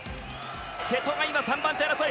瀬戸が今、３番手争い。